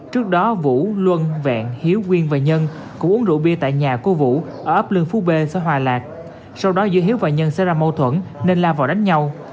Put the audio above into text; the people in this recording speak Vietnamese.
trước đó vũ luân vẹn hiếu quyên và nhân cũng uống rượu bia tại nhà của vũ ở ấp lương phú b xã hòa lạc sau đó giữa hiếu và nhân sẽ ra mâu thuẫn nên la vào đánh nhau